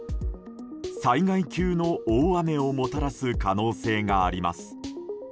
災害級の大雨をもたらす可能性があります。